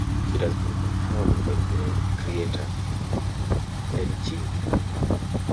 It has been confirmed by the creator of Tenchi Muyo!